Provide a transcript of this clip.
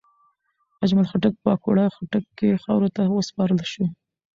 اجمل خټک په اکوړه خټک کې خاورو ته وسپارل شو.